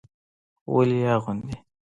ولې يې اغوندي.